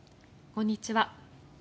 こんにちは。